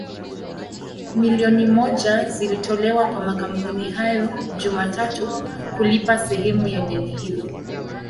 milioni moja zilitolewa kwa makampuni hayo Jumatatu kulipa sehemu ya deni hilo.